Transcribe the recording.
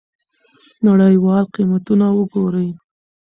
نړیوال قیمتونه وګورئ.